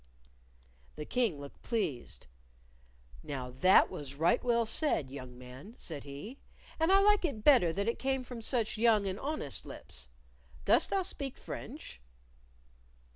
The King looked pleased. "Now that was right well said, young man," said he, "and I like it better that it came from such young and honest lips. Dost thou speak French?"